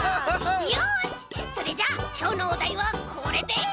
よしそれじゃきょうのおだいはこれでい！